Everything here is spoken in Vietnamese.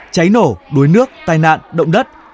cháy nổ đuối nước tai nạn động đất